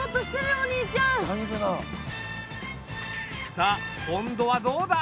さあ今度はどうだ？